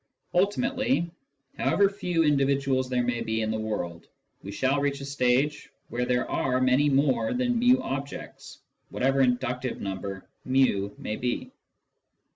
Ultimately, however few indi viduals there may be in the world, we shall reach a stage where there are many more than /n objects, whatever inductive number \i may be.